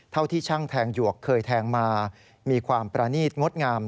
เท่าที่ช่างแทงหยวกเคยแทงมามีความประนีตงดงาม